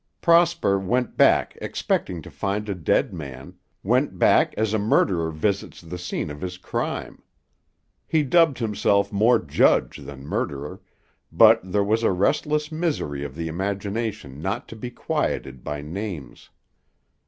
Prosper went back expecting to find a dead man, went back as a murderer visits the scene of his crime. He dubbed himself more judge than murderer, but there was a restless misery of the imagination not to be quieted by names.